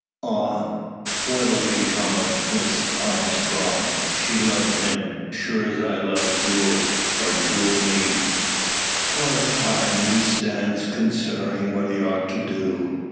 Ah! what 'll become o' Miss Armstrong? She loved him, sure as I love Jule, or Jule me." For a time he stands considering what he ought to do.